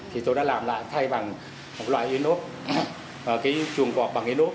thì tôi đã làm lại thay bằng một loại inox cái trường hợp bằng inox